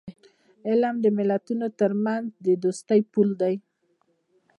علم د ملتونو ترمنځ د دوستی پل دی.